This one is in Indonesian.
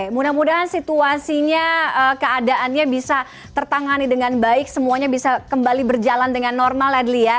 mudah mudahan situasinya keadaannya bisa tertangani dengan baik semuanya bisa kembali berjalan dengan normal adli ya